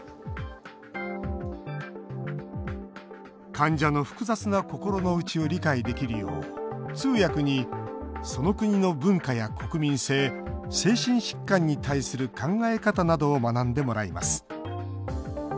患者の複雑な心の内を理解できるよう通訳に、その国の文化や国民性精神疾患に対する考え方などを学んでもらいます。